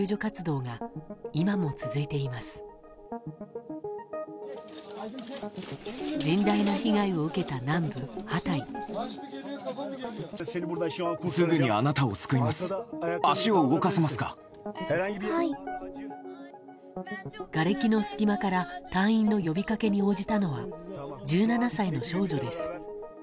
がれきの隙間から隊員の呼びかけに応じたのは１７歳の少女です。